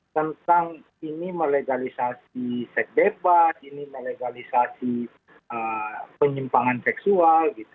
tentang ini melegalisasi seks bebas ini melegalisasi penyimpangan seksual gitu